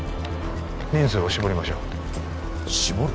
人数を絞りましょう絞る？